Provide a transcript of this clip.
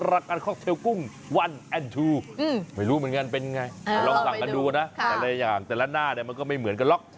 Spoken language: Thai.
ลักษณ์คอคเตลกุ้ง๑๒ไม่รู้เหมือนกันเป็นไงลองสั่งกันดูนะแต่ละหน้ามันก็ไม่เหมือนกันหรอก